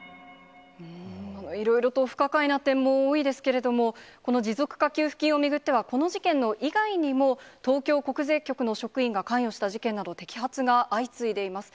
いろいろと不可解な点も多いですけれども、この持続化給付金を巡っては、この事件の以外にも東京国税局の職員が関与した事件など、摘発が相次いでいます。